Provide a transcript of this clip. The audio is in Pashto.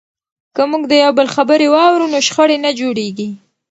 که موږ د یو بل خبرې واورو نو شخړې نه جوړیږي.